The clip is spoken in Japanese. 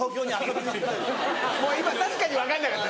今確かに分かんなかった。